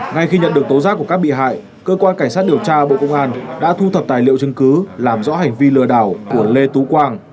ngay khi nhận được tố giác của các bị hại cơ quan cảnh sát điều tra bộ công an đã thu thập tài liệu chứng cứ làm rõ hành vi lừa đảo của lê tú quang